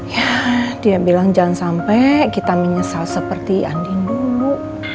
ya dia bilang jangan sampai kita menyesal seperti andin dulu